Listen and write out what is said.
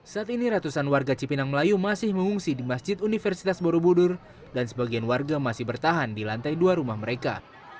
saat ini ratusan warga cipinang melayu masih mengungsi di masjid universitas borobudur dan sebagian warga masih bertahan di lantai dua rumah mereka